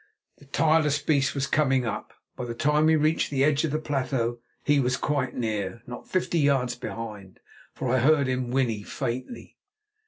The tireless beast was coming up. By the time we reached the edge of the plateau he was quite near, not fifty yards behind, for I heard him whinny faintly.